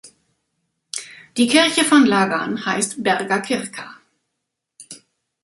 Die Kirche von Lagan heißt "Berga Kyrka".